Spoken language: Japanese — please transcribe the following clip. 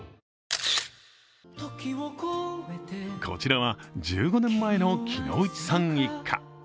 こちらは１５年前の木内さん一家。